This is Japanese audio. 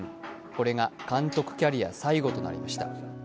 これが監督キャリア最後となりました。